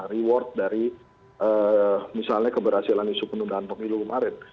reward dari misalnya keberhasilan isu penundaan pemilu kemarin